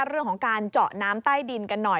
เรื่องของการเจาะน้ำใต้ดินกันหน่อย